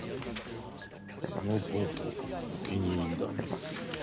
「そのコートお気に入りだね」